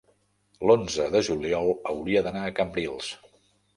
l'onze de juliol hauria d'anar a Cambrils.